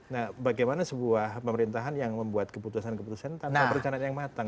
nah bagaimana sebuah pemerintahan yang membuat keputusan keputusan tanpa perencanaan yang matang